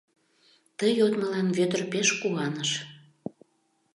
Ты йодмылан Вӧдыр пеш куаныш.